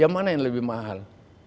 mana yang lebih mahal